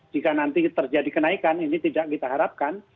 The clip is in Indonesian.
jika nanti terjadi kenaikan ini tidak kita harapkan